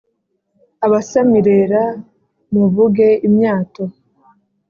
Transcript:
abasamirera muvuge imyato